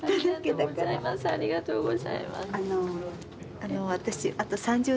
ありがとうございます。